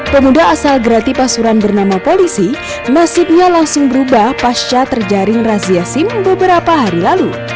pemuda asal grati pasuran bernama polisi nasibnya langsung berubah pasca terjaring razia sim beberapa hari lalu